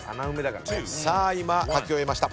さあ今書き終えました。